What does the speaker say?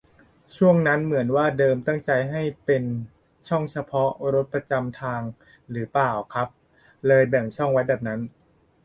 ช่วงนั้นเหมือนว่าเดิมตั้งใจให้เป็นช่องเฉพาะรถประจำทางหรือเปล่าครับ เลยแบ่งช่องไว้แบบนั้น